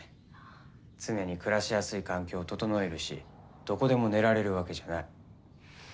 常に暮らしやすい環境を整えるしどこでも寝られるわけじゃない。